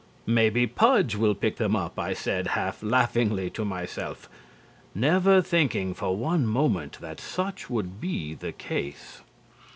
"Maybe Pudge will pick them up," I said half laughingly to myself, never thinking for one moment that such would be the case.